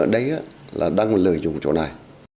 ở đây là đang lợi dụng chỗ này